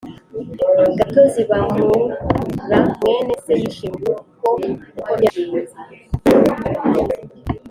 gatozi bamuh ra mwene se yishe Nguko uko byagenze